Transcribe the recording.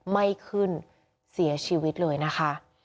ไม่ขึ้นเสียชีวิตเลยนะคะ